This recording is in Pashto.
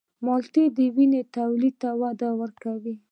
مالټې د وینې تولید ته وده ورکوي.